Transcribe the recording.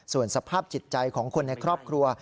ส่วนสภาพจิตใจของคนในครอบครัว